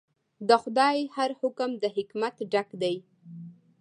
د خدای هر حکم د حکمت ډک دی.